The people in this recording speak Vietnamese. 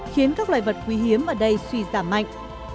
khiến các loài vật quý hiếm ở đây suy giảm mạnh